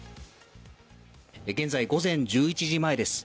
現在、午前１１時前です。